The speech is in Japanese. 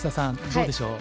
どうでしょう？